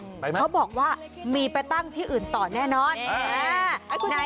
เขาบอกว่ามีไปตั้งที่อื่นต่อแน่นอน